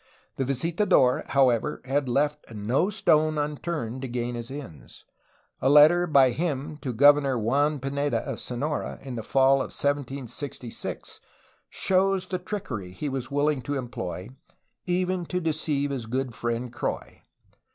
The visitadoTj however, had left no stone unturned to gain his ends. A letter by him to Governor Juan Pineda of Sonora in the fall of 1766 shows the trickery he was wiUing to em ploy, even to deceive his good friend Croix.